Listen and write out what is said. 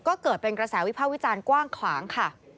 ก็เกิดเป็นกระแสวิภาควิจารณ์กว้างขวางค่ะ